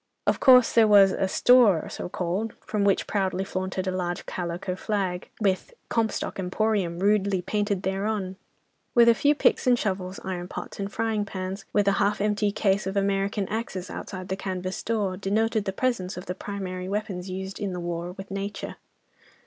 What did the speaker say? Of course there was a "store," so called, from which proudly flaunted a large calico flag, with "Comstock Emporium" rudely painted thereon, while a few picks and shovels, iron pots and frying pans, with a half emptied case of American axes outside the canvas door, denoted the presence of the primary weapons used in the war with nature.